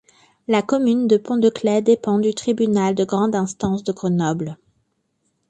La commune de Pont-de-Claix dépend du tribunal de grande instance de Grenoble.